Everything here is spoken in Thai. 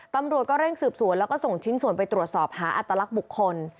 ตำรวจก็เร่งสืบสวนแล้วก็ส่งชิ้นส่วนไปตรวจสอบหาอัตลักษณ์บุคคล